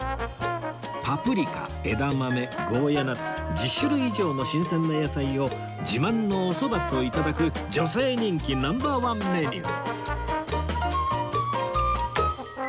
パプリカ枝豆ゴーヤなど１０種類以上の新鮮な野菜を自慢のおそばと頂く女性人気ナンバーワンメニュー